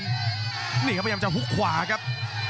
นี่ครับพยายามจะหุกขวาครับ